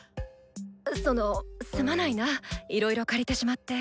そのすまないないろいろ借りてしまって。